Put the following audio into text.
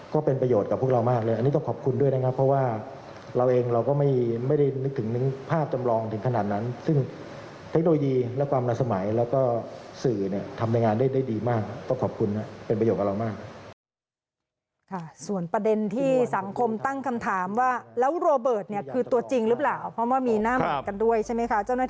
ขอบคุณนะเป็นประโยคของเรามาก